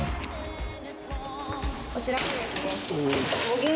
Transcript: こちらにですね。